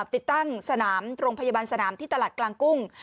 ติดตั้งสนามโรงพยาบาลสนามที่ตลาดกลางกุ้ง